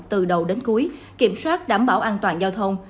từ đầu đến cuối kiểm soát đảm bảo an toàn giao thông